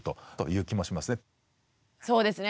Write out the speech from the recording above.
そうですね